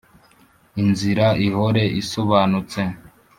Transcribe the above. inzira ihore isobanutse,